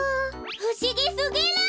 ふしぎすぎる！